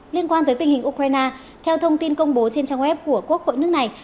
liên quan tới tình hình ukraine theo thông tin công bố trên trang web của quốc hội nước này